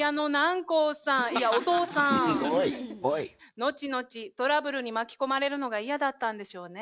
後々トラブルに巻き込まれるのが嫌だったんでしょうね。